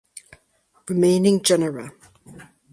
Remaining genera.